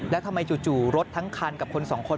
แล้วทำไมจู่รถทั้งคันกับคนสองคน